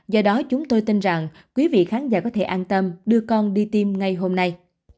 do đó chúng tôi tin rằng quý vị khán giả có thể an tâm đưa con đi tiêm ngay hôm nay